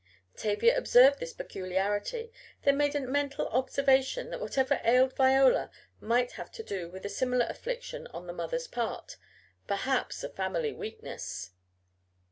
Tavia observed this peculiarity, then made a mental observation that whatever ailed Viola might have to do with a similar affliction on the mother's part perhaps a family weakness!